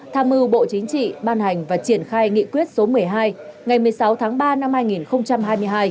tham mưu bộ chính trị ban hành và triển khai nghị quyết số một mươi hai ngày một mươi sáu tháng ba năm hai nghìn hai mươi hai